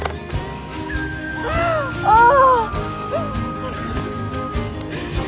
ああ！